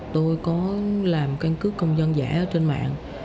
tôi có làm căn cứ công dân giả trên mạng